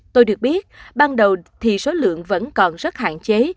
tôi được biết ban đầu thì số lượng vẫn còn rất hạn chế